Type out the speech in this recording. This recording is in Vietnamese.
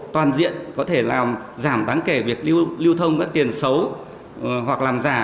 toàn diện có thể làm giảm đáng kể việc lưu thông các tiền xấu hoặc làm giả